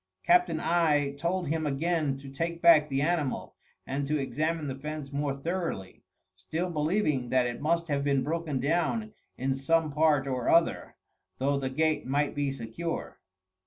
Captain I told him again to take back the animal, and to examine the fence more thoroughly, still believing that it must have been broken down in some part or other, though the gate might be secure.